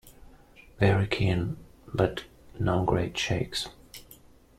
Very keen, but no great shakes.